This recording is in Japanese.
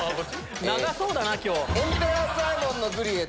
長そうだな今日。